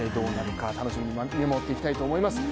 楽しみに見守っていきたいと思っております。